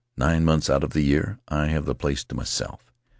Nine months out of the year I have the place to myself.